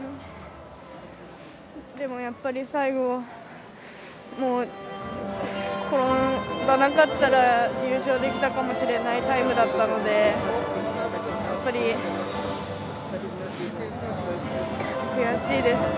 やっぱり、最後転ばなかったら優勝できたかもしれないタイムだったので、やっぱり悔しいです。